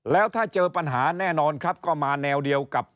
แล้วถ้าเจอปัญหาแน่นอนครับก็มาแนวเดียวกับ